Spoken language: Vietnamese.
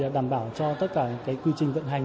đảm bảo cho tất cả quy trình vận hành